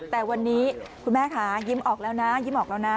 แต่วันนี้คุณแม่ค่ะยิ้มออกแล้วนะยิ้มออกแล้วนะ